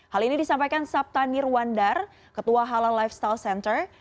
hal ini disampaikan saptanir wandar ketua halal lifestyle center